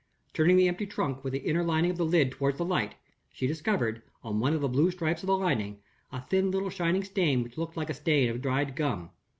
Turning the empty trunk with the inner side of the lid toward the light, she discovered, on one of the blue stripes of the lining, a thin little shining stain which looked like a stain of dried gum.